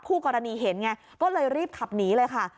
คู่กรณีเห็นไงก็เลยรีบขับหนีเลยค่ะ